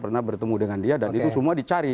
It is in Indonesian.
pernah bertemu dengan dia dan itu semua dicari